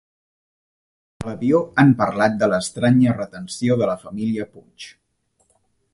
A l'avió han parlat de l'estranya retenció de la família Puig.